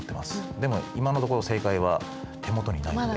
でも今のところ正解は手元にないので。